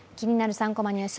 ３コマニュース」